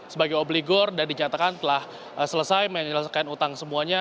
sebagai obligor dan dinyatakan telah selesai menyelesaikan utang semuanya